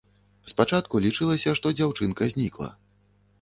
Спачатку лічылася, што дзяўчынка знікла.